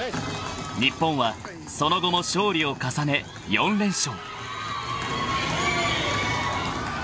［日本はその後も勝利を重ね４連勝］